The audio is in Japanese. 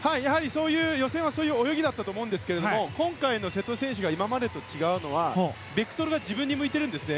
予選はそういう泳ぎだったと思うんですが今回の瀬戸選手が今までと違うのはベクトルが自分に向いているんですね。